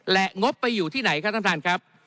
และงบไปอยู่ที่ไหนครับท่านท่านครับ